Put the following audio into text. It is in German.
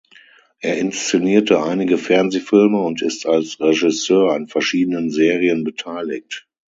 Er inszenierte einige Fernsehfilme und ist als Regisseur an verschiedenen Serien beteiligt.